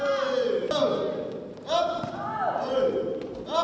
สุดท้ายสุดท้ายสุดท้าย